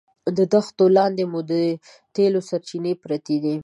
د دښتو لاندې مو د تېلو سرچینې پرتې دي.